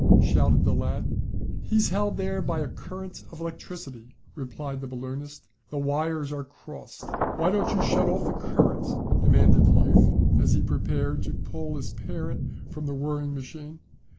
shouted the lad. "He's held there by a current of electricity," replied the balloonist. "The wires are crossed." "Why don't you shut off the current?" demanded the youth, as he prepared to pull his parent from the whirring machine.